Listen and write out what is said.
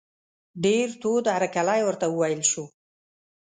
ډېر تود هرکلی ورته وویل شو.